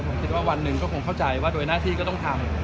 ผมคิดว่าวันหนึ่งก็คงเข้าใจว่าโดยหน้าที่ก็ต้องทำ